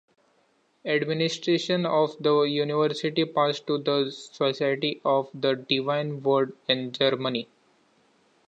Administration of the university passed to the Society of the Divine Word in Germany.